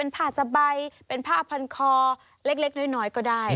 ผ้าพันคอเล็กน้อยก็ได้